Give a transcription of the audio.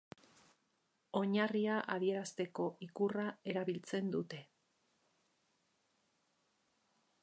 Oinarria adierazteko ikurra erabiltzen dute.